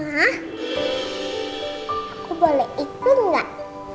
aku boleh ikut gak